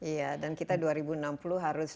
iya dan kita dua ribu enam puluh harus